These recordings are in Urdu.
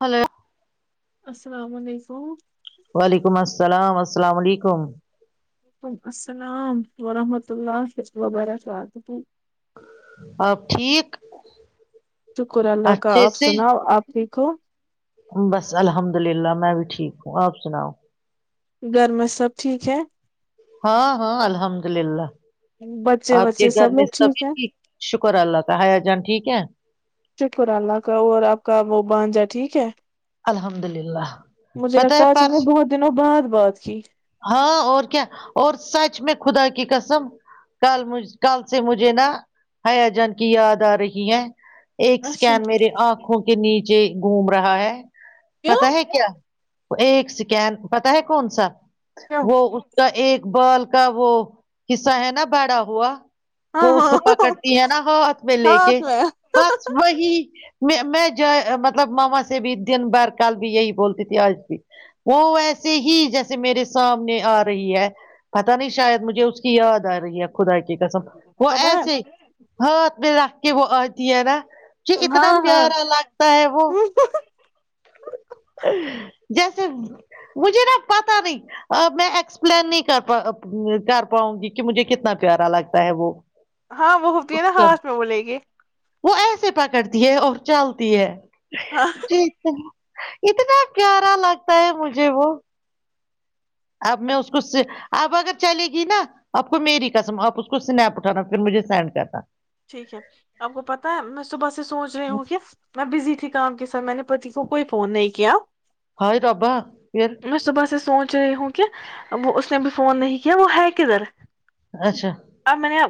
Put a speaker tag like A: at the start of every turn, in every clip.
A: ہلو
B: السلام علیکم
A: وعلیکم السلام السلام علیکم
B: وعلیکم السلام ورحمۃ اللہ وبرکاتہ
A: ا ٹھیک
B: شکر اللہ کا
A: اچھے
B: آپ
A: سے
B: سناؤ آپ دیکھو
A: بس الحمد للہ میں بھی ٹھیک ہوں آپ سناؤ
B: گھر میں سب ٹھیک ہے
A: ہاں ہاں الحمد للہ
B: بچے
A: آپ کے
B: بچے
A: گھر
B: سب
A: میں
B: لوگ
A: سبھی
B: ہے
A: ٹھیک شکر اللہ کا ہیا جان ٹھیک ہے
B: شکر اللہ کا اور آپ کا وہ بانجا ٹھیک ہے
A: الحمد للہ
B: مجھے
A: پتہ
B: لگتا
A: ہے
B: آج ہم
A: پر
B: نے بہت دنوں بعد بات کی
A: ہاں اور کیا اور سچ میں خدا کی کسم کلج کل سے مجھے نا حیا جان کی یاد آ رہی ہے ایک
B: اچھا
A: سکین میرری آنکھوں کے نیچ چ گھوم رہا ہے
B: کیوں
A: پتا ہے کیا ایک سکین پتا ہے کون سا
B: کیوں
A: وہ اس کا ایک ا بال کا وہ قصہ ہے نا بڑا ہوا
B: ہاں
A: وہ اس
B: ہاں
A: کو پکڑتی ہے نا ہاتھ میں لے کے
B: ہاتھ میں
A: بس وہی میں میں جائے مطلب ماما سے بھی دن بھر کل بھی یہی بولتی تھی آج بھی وہ ویسے ہی جیسے میرے سامنے آ رہی ہے پت نہیں شاید مجھے اس کی یاد آ رہی ہے خدا کی قسم وہ
B: پتا ہے
A: ایسے ہات بلاا کہ وہ آتییرا جی اتنا
B: ہاں
A: پیارا
B: ہاں
A: لگتا ہے وہ جیسے مجھے نا پتا نہیں میں ایکسپلین نہیں کر کر پاؤں گی کہ مجھے کتنا پیارا لگتا ہے وہ
B: ہاں وہ ہوتی ہے نا ہاھ میں بولے گی
A: وہ ایسے پکڑتی ہے اور چلتی ہے
B: ہاں
A: جی س اتنا پیارا لگتا ہے مجھے وہ اب میں اس کو اب اگر چلے گی نا آپ کو میری قسم آپ اس کو سنیپ اٹھانا پھر مجھے سینڈ کرنا
B: ٹھیک ہے آپ کو پتاہ ہے میں صبح سے سوچ رہی ہوں کہ میں بزی تھی کام کے ساتھ میں نے پتی کو کوئی فون نہیں کیا
A: ہائی ڈابا پھر
B: چ ہوں کہ وہ اس نے بھی فون نہیں کیا وہ ہے کدھر
A: اچھا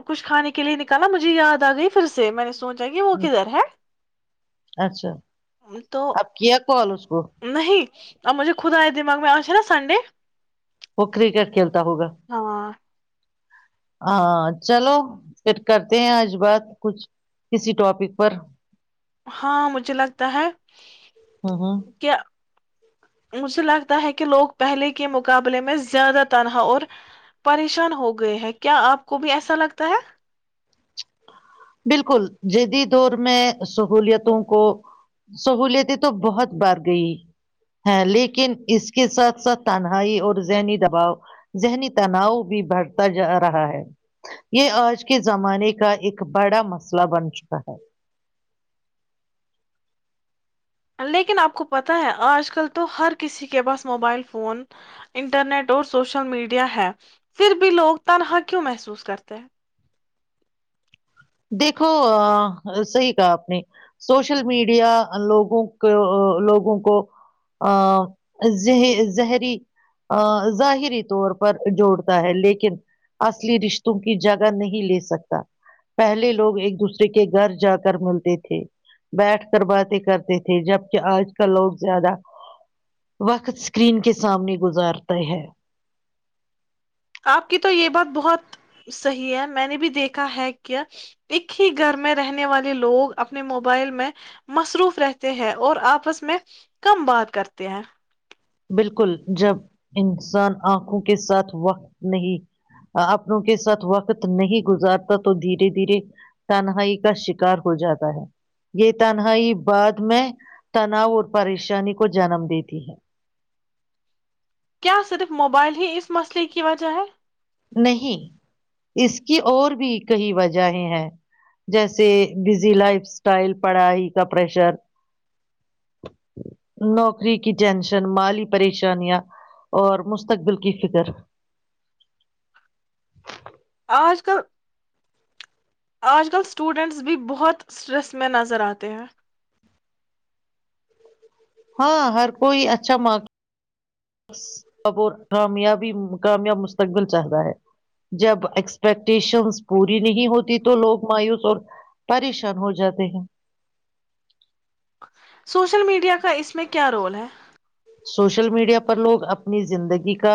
B: کچھے کے لیے نکال مجھے یاد آ گئی پھر سے میں نے سوچ جگ ہوکار ہے
A: اچھا
B: تو
A: اب کیا کال اس کو
B: ان جو خدایا دماغ میں آج نا سنڈے
A: وہ کرکٹ کھیلتا ہوگا
B: ہاں
A: ہاں چلو پھر کرتے ہیں آج بات کچھ کسی ٹاپک پر
B: ہاں مجھے لگتا ہے
A: ہاں ہاں
B: کہ مجھے لگتا ہے کہ لوگ پہلے کے مقابلے میں زیادہ تنہا اور پریشان ہو گئے ہیں کیا آپ کو بھی ایسا لگتا ہے
A: بالکل جیدی دور میں سہولیتوں کو سہلیتیں تو بہت بڑ گئی ہے لیکن اس کے ساتھ ساتھ تنہائی اور ذہنی دباؤ ذہنی تناؤ بھی بڑھتا جا رہا ہے یہ آج کے زمانے کا ایک بڑا مسئلہ بن چکا ہے
B: لیکن آپ کو پتہ ہے آج کل تو ہر کسی کے پاس موبائل فون انٹرنیٹ اور سوشل میڈیا ہے پھر بھی وگ تنہا کیوں محسوس کرتے ہیں
A: دیکھو صحیح کہا آپ نے سوشل میڈیا لوگوں کو لوگوں کو زہری ظاہری طور پر جوڑتا ہے لیکن اصلی رشتوں کی جگہ نہیں لے سکتا پہلے لوگ ایک دوسرے کے گھر جا کر ملتے تھے بیٹھ کر باتیں کرتے تھے جب کہ آج کل لوگ زیادہ وقت اسکرین کے سامنے گزارتے ہے
B: آپ کی تو یہ بات بہت صحیح ہے میں نے بھی دیکھا ہے کہ ایک ہی گھر میں رہنے والے لوگ اپنے موبائل میں مصروف رہتے ہیں اور آپس میں کم بات کرتے ہیں
A: بالکل جب انسان آنکھوں کے ساتھ وقت نہیں اپنوں کے ساتھ وقت نہیں گزارتا تو دھیرے دھیرے تنہائی کا شکار ہو جاتا ہے یہ تنہائی بعد میں تناؤ اور پریشانی کو جنم دیتی ہے
B: کیا صرف موبائل ہی اس مسئلے کی وجہ ہے
A: نہیں اس کی اور بھی کئی وجہیں ہیں جیسے بزی لائف اسٹائل پڑھائی کا پریشر نوکری کی ٹینشن مالی پریشانیاں اور مستقبل کی فکر ھم
B: آج کل آج کل اسٹوڈنٹس بھی بہت اسٹریس میں نظر آتے ہیں
A: ہاں ہر کوئی اچھا م ا کامیابی کامیاب مستقبل چاہتا ہے جب ایکسپیکٹ اسٹیشنس
B: ہیں
A: پوری نہیں ہوتی تو لوگ مایوس اور پریشان ہو جاتے ہیں
B: سوشل میڈیا کا اس میں کیا رول ہے
A: سوشل میڈیا پر لوگ اپنی زندگی کا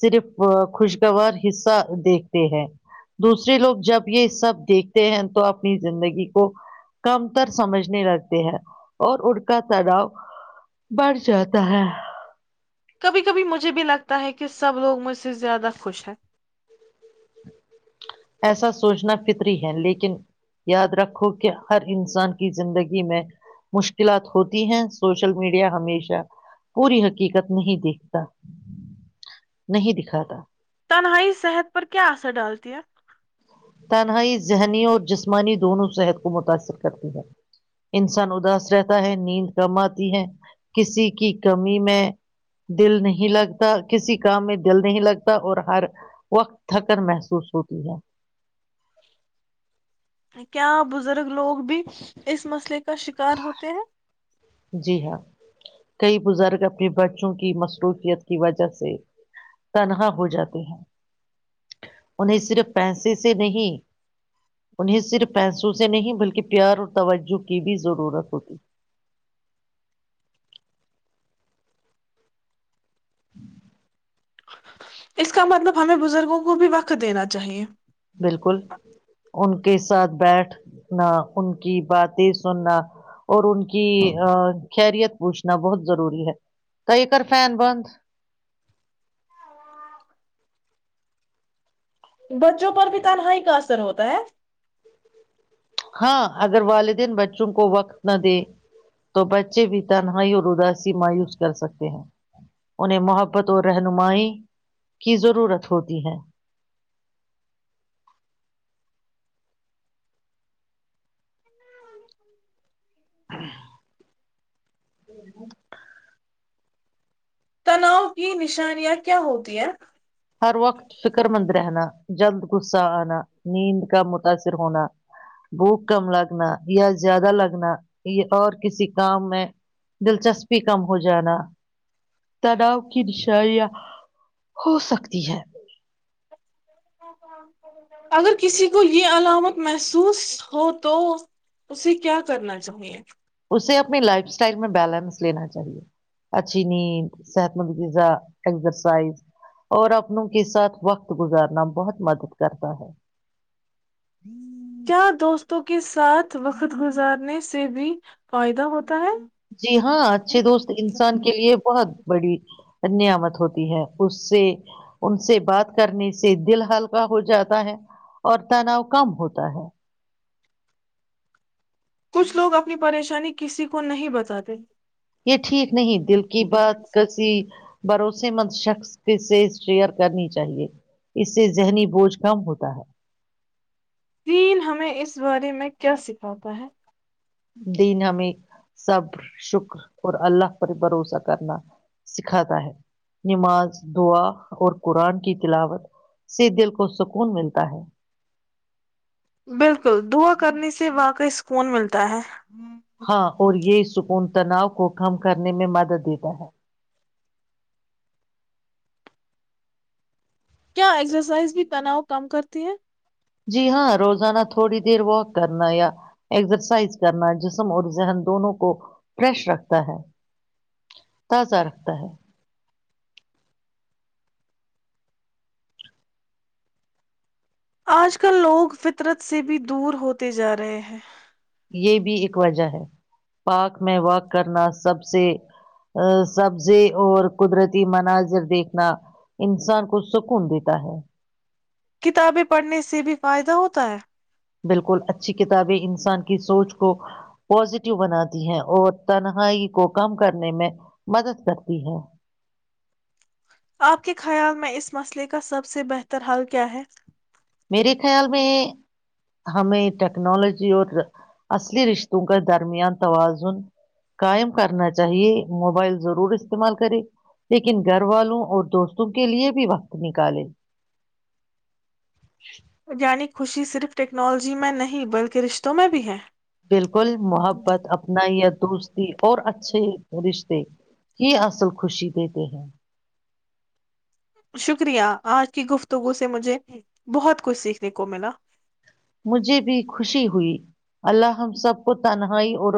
A: صرف خوشگوار حصہ دیکھتے ہیں دوسرے لوگ جب یہ سب دیکھتے ہیں تو اپنی زندگی کو کم تر سمجھنے لگتے ہیں اور اڑ کا چڑاؤ بڑھ جاتا تو ہاں
B: کبھی کبھی مجھے بھی لگتا ہے کہ سب لوگ مجھ سے زیادہ خوش ہیں
A: ایسا سوچنا فتری ہے لیکن یاد رکھو کہ ہر انسان کی زندگی میں مشکلات ہوتی ہیں سوشل میڈیا ہمیشہ پوری حقیقت نہیں دیکھتا نہیں دکھاتا
B: تنہائی صحت پر کیا اثر ڈالتی ہے؟
A: تنہائی ذہنی اور جسمانی دونوں صحت کو متاثر کرتی ہے انسان اداس رہتا ہے نیند کم آتی ہے کسی کی کمی میں دل نہیں لگتا کسی کام میں دل نہیں لگتا اور ہر وقت تھکن محسوس ہوتی ہے
B: کیا بزرگ لوگ بھی اس مسئلے کا شکار ہوتے ہیں
A: جی ہاں کئی بزرگ اپنے بچوں کی مصروفیت کی وجہ سے تنہا ہو جاتے ہیں انہیں صرف پیسے سے نہیں انہیں صرف پیسوں سے نہیں بلکہ پیار اور توجہ کی بھی ضرورت ہوتی ج
B: اس کا مطلب ہمیں بزرگوں کو بھی وقت دینا چاہیے
A: ہے۔ بالکل ان کے ساتھ بیٹھنا ان کی باتیں سننا اور ان کی خیریت پوچھنا بہت ضروری ہے تو یہ کر فین بند
B: بچوں پر بھی تنہائی کا اثر ہوتا ہے
A: ہاں اگر والدین بچوں کو وقت نہ دے تو بچے بھی تنہائی اور اداسی مایوس کر سکتے ہیں انہیں محبت اور رہنمائی کی ضرورت ہوتی ہے ہ
B: تناؤ کی نشانیاں کیا ہوتی ہیں
A: ہر وقت فکر مند رہنا جلد غصہ آنا نیند کا متاثر ہونا بھوک کم لگ لنا یا زیادہ لگنا یہ اور کسی کام میں دلچسپی کم ہو جانا تناؤ کی نشائیاں ہو سکتی ہے
B: اگر کسی کو یہ علامت محسوس ہو تو اسے کیا کرنا چاہیے
A: اسے اپنی لائف اسٹائل میں بیلنس لینا چاہیے اچھی نیند صحت مندذا ایکزرسائز اور اپنوں کے ساتھ وقت گزارنا بہت مدد کرتا ہے
B: کیا دوستوں کے ساتھ وقت گزارنے سے بھی فائدہ ہوتا ہے
A: جی ہاں اچھے دوست انسان کے لیے بہت بڑی نعمت ہوتی ہے اس سے ان سے بات کرنے سے دل ہلکا ہو جاتا ہے اور تناؤ کم ہوتا ہے
B: کچھ لوگ اپنی پریشانی کسی کو نہیں بتاتے
A: یہ ٹھیک نہیں دل کی بات کسی بھروسے مند شخص کی شیئر کرنی چاہیے اس سے ذہنی بوجھ کم ہوتا ہے
B: تین ہمیں اس بارے میں کیا سکھاتا ہے
A: دن ہمیں صبر شکر اور اللہ پر بھروسہ کرنا سکھاتا ہے نماز دعا اور قرآن کی تلاوت سے دل کو سکون ملتا ہے
B: بالکل دعا کرنے سے واںقع سکون ملتا ہے
A: ہاں اور یہ چکون تناؤ کو کم کرنے میں مدد دیتا ہے
B: کیا ایکسرسائز بھی تناؤ کم کرتی ہے
A: جی ہاں روزانہ تھوڑی دیر واک کرنا یا ایکسرسائز کرنا جسم اور ذہن دونوں کو فریش رکھتا ہے تازہ رکھتا ہے
B: آج کل لوگ فطرت سے بھی دور ہوتے جا رہے ہیں
A: یہ بھی ایک وجہ ہے پارک میں واک کرنا سب سے سبزے اور قدرتی مناظر دیکھنا انسان کو سکون دیتا ہے
B: کتابیں پڑھنے سے بھی فائدہ ہوتا ہے
A: بالکل اچھی کتابیں انسان کی سوچ کو پازیٹیو بناتی ہیں اور تنہائی کو کم کرنے میں مدد کرتی ہیں
B: آپ کے خیال میں اس مسئلے کا سب سے بہتر حال کیا ہے
A: میرے خیال میں ہمیں ٹیکنالوجی اور اصلی رشتوں کا درمیان توازن قائم کرنا چاہیے موبائل ضرور استعمال کرے لیکن گھر والوں اور دوستوں کے لیے بھی وقت نکالے ج
B: یعنی خوشی صرف ٹیکنالوجی میں نہیں بلکہ رشتوں میں بھی ہے
A: بالکل محبت اپنا یا دوستی اور اچھے رشتے کی اصل خوشی دیتے ہیں
B: شکریہ آج کی گفتگو سے مجھے بہت کچھ سیکھنے کو ملا
A: مجھے بھی خوشی ہوئی اللہ ہم سب کو تنہائی اور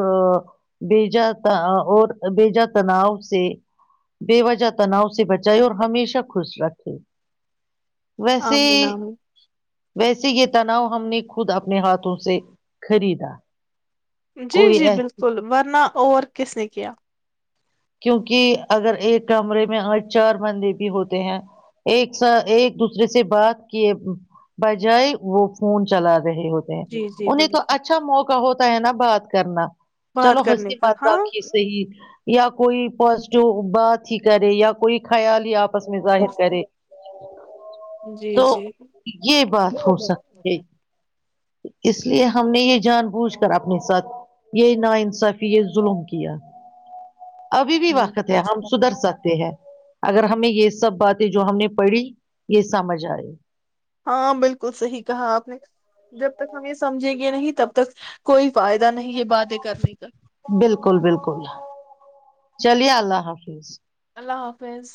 A: بجا اور بیےجا تناؤ سے بے وجہ تناؤ سے بچائے اور ہمیشہ خوش رکھے ویسے
B: آمین آمین
A: ویسے یہ [unintelligible] ہم نے خود اپنے ہاتھوں سے خریدا
B: جی
A: کوئی
B: جی
A: ایس-
B: بالکل ورنہ اور کس نے کیا
A: کیونکہ اگر ایک کمرے میں آج چار بندے بھی ہوتے ہیں ایک س ایک دوسرے سے بات کیے بجائے وہ فون چلات رہے ہوتے ہیں
B: جی جی
A: انہیں تو
B: بالکل
A: اچھا موقع ہوتا ہے نا بات کرنا چلو
B: بات کرنے
A: ہسی
B: کا
A: مات
B: ہاں
A: رکھی صی [unintelligible] کوئی پازیٹو بات ہی کرے یا کوئی خیال ہی آپ آپس میں ظاہر کرے
B: جی
A: تو
B: جی
A: یہ بات ہو سکتی ہے اس لیے ہم نے یہ جان بوجھ کر اپنے ساتھ یہ ناانصافی یہ ظلم کیا ابھی بھی وقت ہے ہم سدھر سکے ہیں اگر ہمیں یہ سب باتیں جو ہم نے پڑھی یہ سمجھ آئے
B: ہاں بالکل صحیح کہا آپ نے جب تک ہم یہ سمجھیں گے نہیں تب تک کوئی فائدہ نہیں ہے باتیں کرنے کا
A: بالکل بالکل چلیے اللہ حافظ
B: اللہ حافظ